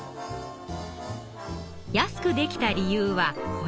安くできた理由はこれ。